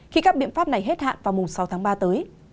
khi các biện pháp này hết hạn vào mùng sáu tháng ba tới